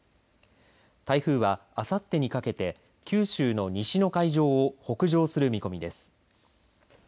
台風はあさってにかけて九州の西の海上を北上する見込みです。